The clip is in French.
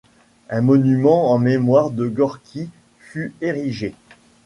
Un monument en mémoire de Gorki fut érigé.